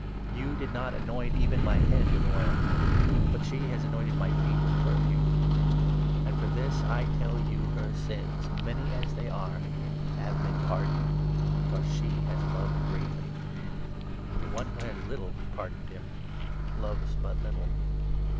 You did not anoint even my head with oil, 46 but she has anointed my feet with perfume. And for this, 47 I tell you, her sins, many as they are, have been pardoned, because she has loved greatly ; but one who has little pardoned him, loves but little."